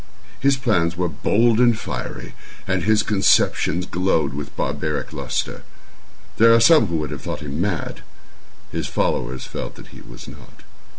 His plans were bold and fiery, and his conceptions glowed with barbaric lustre. There are some who would have thought him mad. His followers felt that he was not.